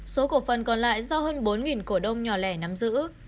số cổ phần còn lại do hơn bốn cổ đông nhỏ lẻ nắm giữ